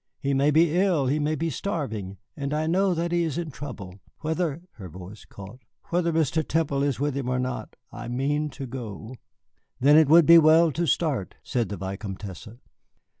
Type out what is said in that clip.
He may be ill, he may be starving and I know that he is in trouble. Whether" (her voice caught) "whether Mr. Temple is with him or not, I mean to go." "Then it would be well to start," said the Vicomtesse.